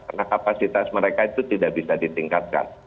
karena kapasitas mereka itu tidak bisa ditingkatkan